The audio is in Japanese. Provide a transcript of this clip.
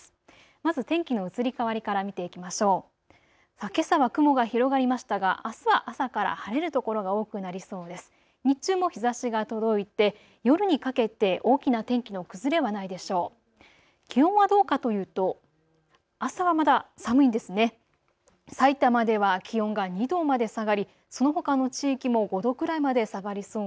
まず天気の移り変わりから見ていきましょう。